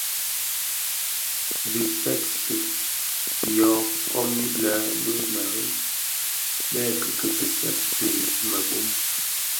Dhi kpeksi yô kom lè bi mereb bè kiki kiseb dhi mëbom.